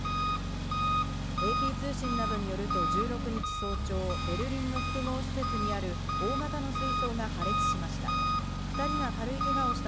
ＡＰ通信などによると１６日早朝、ベルリンの複合施設にある大型の水槽が破裂しました。